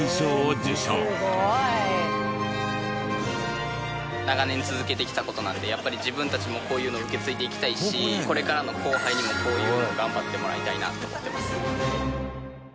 すごい！長年続けてきた事なのでやっぱり自分たちもこういうのを受け継いでいきたいしこれからの後輩にもこういうのを頑張ってもらいたいなって思ってます。